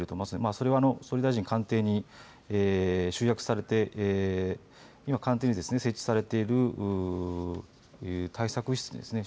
それは総理大臣官邸に集約されて今、官邸に設置されている対策室にですね